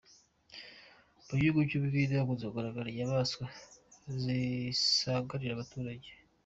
Mu gihugu cy’ u Buhinde hakunze kugaragara inyamaswa zisagarira abanturage.